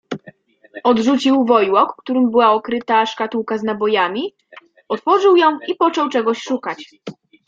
Odrzucił wojłok, którym była okryta szkatułka z nabojami, otworzył ją i począł czegoś szukać.